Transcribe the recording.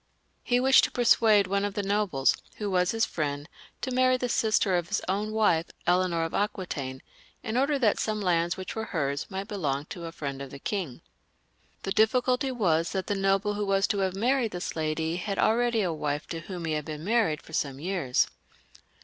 He wished, to persuade one of the nobles, who was his friend, to marry the sister of his own wife, Eleanor of Aquitaine, in order that some lands which were hers might belong to a friend of the king. The difficulty was that the noble who was to have married this lady had already a wife to whom he had been married for some years.